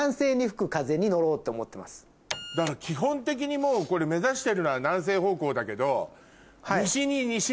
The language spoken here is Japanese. だから基本的にもうこれ目指してるのは南西方向だけど。